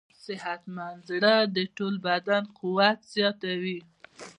صحتمند زړه د ټول بدن قوت زیاتوي.